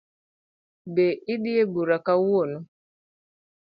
Be idhi ebura kawuono?